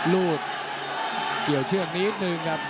ลูกเกี่ยวเชือกนิดนึงครับ